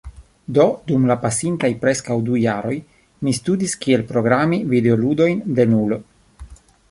Do dum la pasintaj preskaŭ du jaroj mi studis kiel programi videoludojn de nulo.